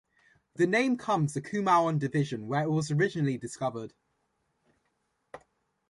The name comes the Kumaon division where it was originally discovered.